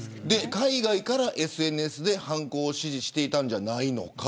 海外からＳＮＳで犯行を指示していたんじゃないか。